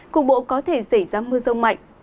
cục bộ có thể xảy ra mưa rông mạnh